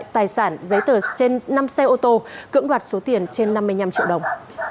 giấy tờ trên năm xe ô tô cưỡng đoạt số tiền trên năm mươi năm triệu đồng